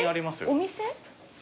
お店？